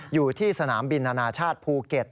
อยู่ที่สนามบินอนาชาติภูเก็ต